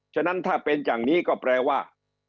ฉะนั้นถ้าเป็นอย่างนี้ก็แปลว่า